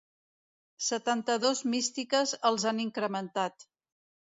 Setanta-dos místiques els han incrementat.